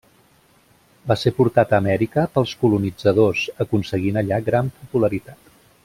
Va ser portat a Amèrica pels colonitzadors, aconseguint allà gran popularitat.